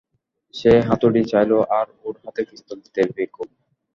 সে হাতুড়ি চাইলো, আর ওর হাতে পিস্তল দিতে, বেকুব!